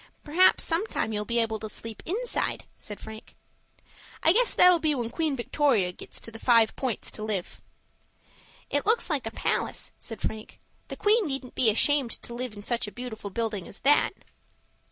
"Perhaps sometime you'll be able to sleep inside," said Frank. "I guess that'll be when Queen Victoria goes to the Five Points to live." "It looks like a palace," said Frank. "The queen needn't be ashamed to live in such a beautiful building as that."